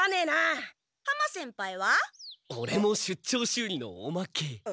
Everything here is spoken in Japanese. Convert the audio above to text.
オレも出張修理のおまけ。